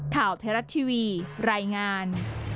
ข่าวไทยรัฐทีวีรายงาน